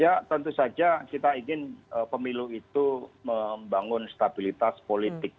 ya tentu saja kita ingin pemilu itu membangun stabilitas politik